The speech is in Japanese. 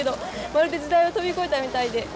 まるで時代を飛び越えたみたいで面白かったです。